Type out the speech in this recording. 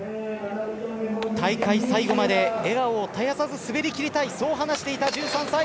大会最後まで笑顔を絶やさず滑り切りたいそう話していた１３歳。